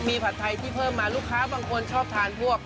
มีผัดไทยที่เพิ่มมาลูกค้าบางคนชอบทานพวก